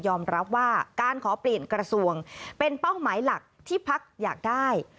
รับว่าการขอเปลี่ยนกระทรวงเป็นเป้าหมายหลักที่พักอยากได้